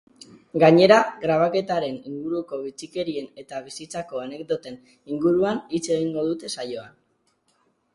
Gainera, grabaketaren inguruko bitxikerien eta bizitako anekdoten inguruan hitz egingo dute saioan.